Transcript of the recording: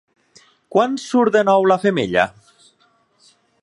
Quan surt de nou la femella?